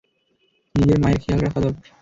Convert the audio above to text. নিজের মায়ের খেয়াল রাখা দরকার।